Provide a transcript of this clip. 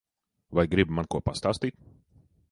Vai gribi man ko pastāstīt?